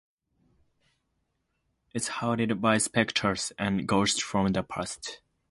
It's haunted by specters and ghosts from the past.